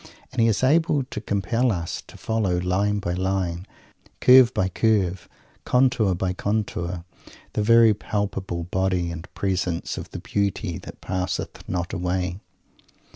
And he is able to compel us to follow, line by line, curve by curve, contour by contour, the very palpable body and presence of the Beauty that passeth not away.